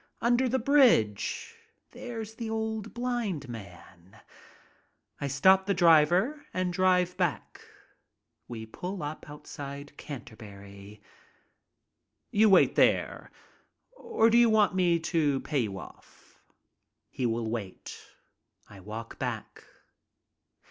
Under the bridge! There's the old blind man. I stop the driver and drive back. We pull up outside the Canterbury. "You wait there, or do you want me to pay you off?" He will wait. I walk back.